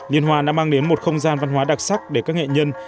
liên hoan đã mang đến một không gian văn hóa đặc sắc để các nghệ nhân